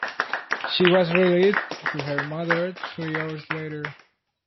She was released to her mother three hours later.